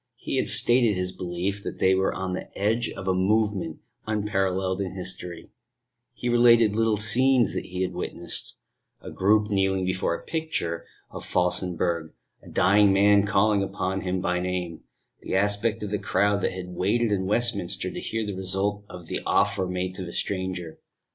He had stated his belief that they were on the edge of a movement unparalleled in history: he related little scenes that he had witnessed a group kneeling before a picture of Felsenburgh, a dying man calling him by name, the aspect of the crowd that had waited in Westminster to hear the result of the offer made to the stranger.